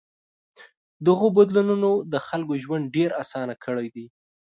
دغو بدلونونو د خلکو ژوند ډېر آسان کړی دی.